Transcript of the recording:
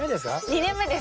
２年目です。